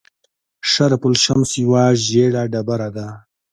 شرف الشمس یوه ژیړه ډبره ده.